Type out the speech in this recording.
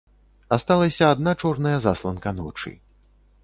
Асталася адна чорная засланка ночы.